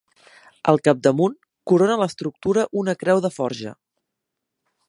Al capdamunt, corona l’estructura una creu de forja.